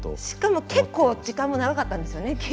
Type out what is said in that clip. しかも結構時間も長かったんですよね